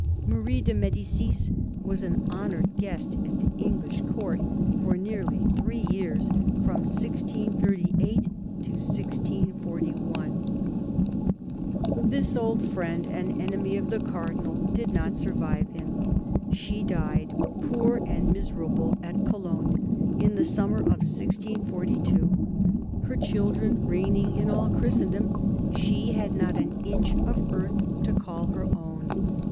Marie de Medicis was an honoured guest at the English Court for nearly three years, from 1638 to 1641. This old friend and enemy of the Cardinal did not survive him. She died, poor and miserable, at Cologne, in the summer of 1642 : her children reigning in all Christendom, she had not an inch of earth to call her own.